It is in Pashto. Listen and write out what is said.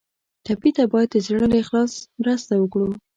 ټپي ته باید د زړه له اخلاص مرسته وکړو.